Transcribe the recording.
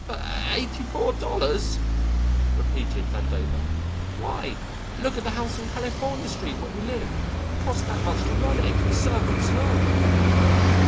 "But eighty four dollars!" repeated Vandover; "why, look at the house on California Street where we live. It costs that much to run it, the servants and all."